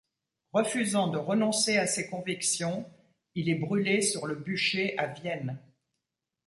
Refusant de renoncer à ses convictions, il est brûlé sur le bûcher à Vienne.